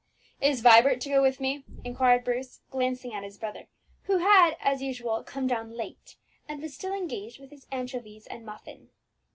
"Is Vibert to go with me?" inquired Bruce, glancing at his brother, who had, as usual, come down late, and was still engaged with his anchovies and muffin.